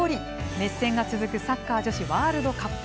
熱戦が続くサッカー女子ワールドカップ。